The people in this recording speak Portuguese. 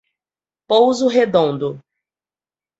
Pouso Redondo